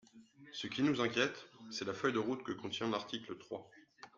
Ce qui nous inquiète, c’est la feuille de route que contient l’article trois.